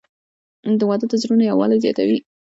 • واده د زړونو یووالی زیاتوي.